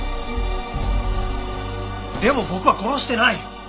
でも僕は殺してない！